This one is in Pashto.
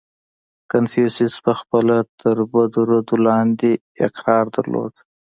• کنفوسیوس پهخپله تر بدو ردو لاندې قرار درلود.